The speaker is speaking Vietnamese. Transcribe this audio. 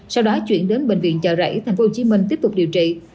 sau đó chuyển đến bệnh viện chợ rẫy tp hcm tiếp tục điều trị